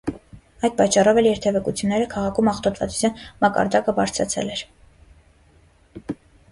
Այդ պատճառով էլ երթևեկությունները քաղաքում աղտոտվածության մակարդակը բարձրացել էր։